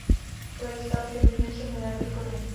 Projekt stál přibližně tři miliardy korun.